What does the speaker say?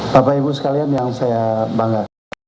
bapak ibu sekalian yang saya bangga